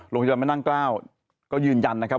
โรงพยาบาลบันดัง๙ก็ยืนยันนะครับ